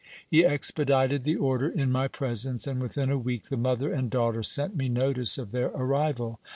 He expedited the order in my presence, and within a week the mother and daughter sent me notice of their arrival.